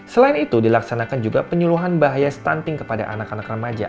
selain itu dilaksanakan juga penyuluhan bahaya stunting kepada anak anak remaja